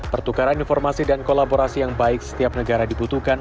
pertukaran informasi dan kolaborasi yang baik setiap negara dibutuhkan